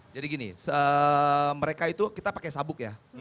jadi gini mereka itu kita pakai sabuk ya